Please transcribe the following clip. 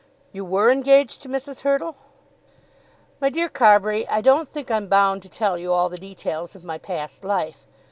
"You were engaged to Mrs. Hurtle?" "My dear Carbury, I don't think I'm bound to tell you all the details of my past life.